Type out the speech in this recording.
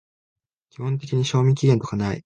基本的に賞味期限とかない